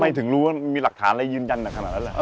ทำไมถึงรู้ว่ามีหลักฐานอะไรยืนยันขนาดนั้น